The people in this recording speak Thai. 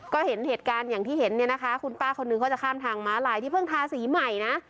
ก็เห็นเหตุการณ์อย่างที่เห็นเนี่ยนะคะคุณป้าคนนึงเขาจะข้ามทางม้าลายที่เพิ่งทาสีใหม่นะ